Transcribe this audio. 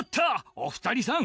お二人さん